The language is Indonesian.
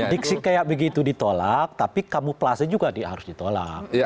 diksi kayak begitu ditolak tapi kamuplase juga harus ditolak